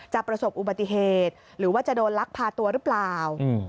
ประสบอุบัติเหตุหรือว่าจะโดนลักพาตัวหรือเปล่า